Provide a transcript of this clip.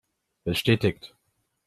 Bestätigt!